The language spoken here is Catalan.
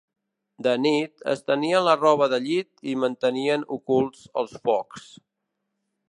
De nit, estenien la roba de llit i mantenien ocults els focs.